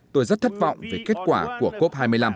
tôi rất thất vọng về kết quả của cop hai mươi năm